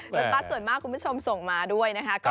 แล้วก็ส่วนมากคุณผู้ชมส่งมาด้วยนะคะ